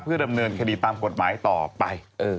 ดำเนินคดีตามกฎหมายต่อไป